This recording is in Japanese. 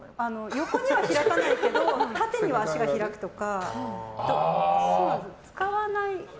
横には開かないけど縦には足が開くとか。